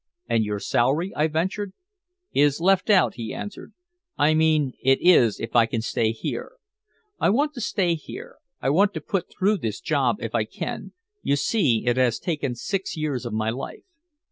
"And your salary?" I ventured. "Is left out," he answered. "I mean it is if I stay here. I want to stay here, I want to put through this job if I can, you see it has taken six years of my life.